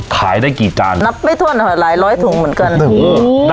ขายได้กี่จานนับไม่ทวนหรือไหลล้อยทุ่งเหมือนกันโอ้ถูก